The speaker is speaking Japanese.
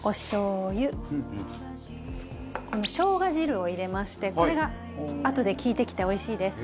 このショウガ汁を入れましてこれがあとで利いてきておいしいです。